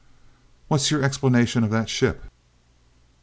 "What's your explanation of that ship?"